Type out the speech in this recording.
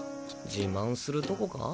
自慢するとこか？